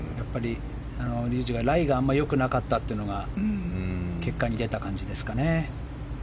竜二が、ライがあまり良くなかったというのが結果に出た感じですかね。